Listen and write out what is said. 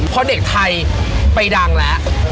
พอเด็กไทยไปดังแล้ว